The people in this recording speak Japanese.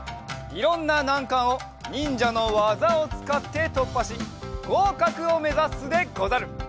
いろんななんかんをにんじゃのわざをつかってとっぱしごうかくをめざすでござる！